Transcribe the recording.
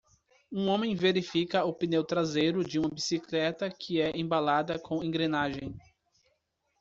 Um homem verifica o pneu traseiro de uma bicicleta que é embalada com engrenagem.